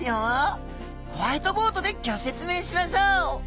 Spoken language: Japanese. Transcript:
ホワイトボードでギョ説明しましょう！